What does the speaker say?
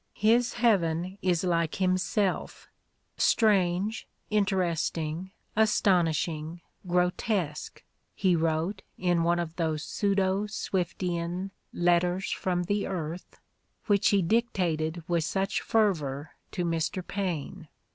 "His heaven is like himself: strange, interesting, astonishing, grotesque," he wrote in one of those pseudo Swiftian "Letters from the Earth," which he dictated with such fervor to Mr. Paine.